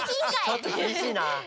ちょっときびしいな！